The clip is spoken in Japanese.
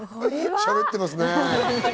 しゃべってますね。